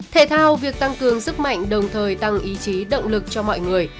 thể thao việc tăng cường sức mạnh đồng thời tăng ý chí động lực cho mọi người